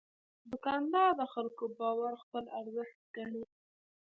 دوکاندار د خلکو باور خپل ارزښت ګڼي.